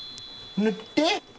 塗って。